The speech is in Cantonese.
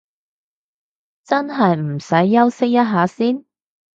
真係唔使休息一下先？